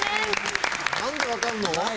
・何で分かんの？